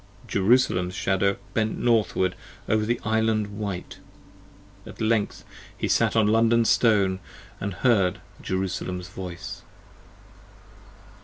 Jerusalem's Shadow bent northward over the Island white. At length he sat on London Stone, & heard Jerusalem's voice.